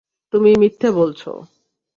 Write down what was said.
তুমি মিথ্যে বলছ।